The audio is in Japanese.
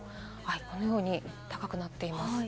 このように高くなっています。